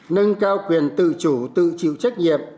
nâng cao quyền tự chủ tự chịu trách nhiệm